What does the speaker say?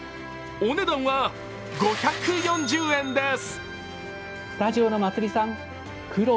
お値段は５４０円です。